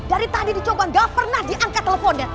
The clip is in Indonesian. dari tadi dicoba gak pernah diangkat teleponnya